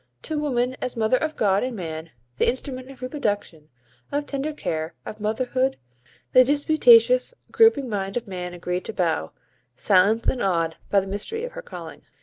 To woman, as mother of God and man, the instrument of reproduction, of tender care, of motherhood, the disputatious, groping mind of man agreed to bow, silenced and awed by the mystery of her calling.